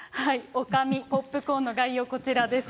女将ポップコーンの概要、こちらです。